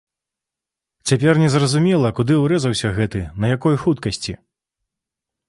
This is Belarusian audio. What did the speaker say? Цяпер незразумела, куды урэзаўся гэты, на якой хуткасці?